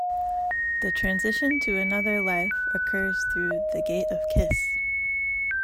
The transition to another life occurs through The Gate of Kiss.